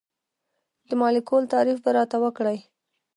د مالیکول تعریف به راته وکړئ.